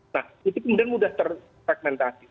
nah itu kemudian mudah terpragmentasi